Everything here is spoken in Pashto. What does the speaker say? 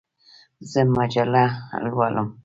زه مجله لولم.